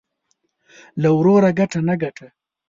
له وروره گټه ، نه گټه.